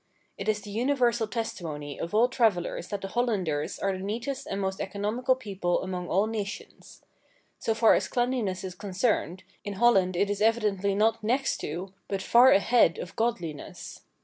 It is the universal testimony of all travellers that the Hollanders are the neatest and most economical people among all nations. So far as cleanliness is concerned, in Holland it is evidently not next to, but far ahead of godliness.